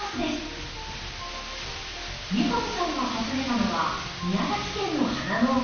三上さんが訪ねたのは宮崎県の花農家。